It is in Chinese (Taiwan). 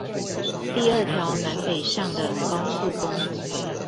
第二條南北向的高速公路